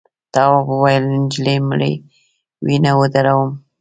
تواب وویل نجلۍ مري وینه ودروم.